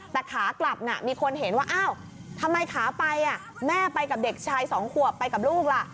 แต่ขากลับมีคนเห็นว่าอ้าวทำไมขาไปแม่ไปกับเด็กชายสองขวบไปกับลูกล่ะ